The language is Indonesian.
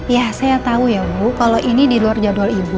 ya saya tahu ya bu kalau ini di luar jadwal ibu